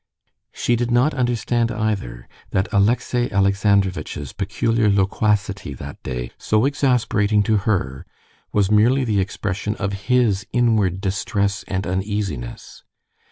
She did not understand either that Alexey Alexandrovitch's peculiar loquacity that day, so exasperating to her, was merely the expression of his inward distress and uneasiness.